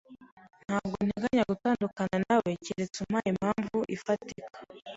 Ntabwo nteganya gutandukana nawe keretse umpaye impamvu ifatika.